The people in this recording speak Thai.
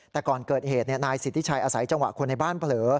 แต่ก่อนเกิดเหตุนายสิทธิชัยอาศัยจังหวะคนในบ้านเผลอ